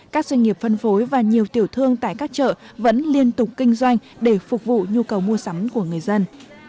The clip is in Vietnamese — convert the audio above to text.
các doanh nghiệp phân phối và nhiều tiểu thương tại các chợ vẫn liên tục kinh doanh để phục vụ nhu cầu mua sắm của người dân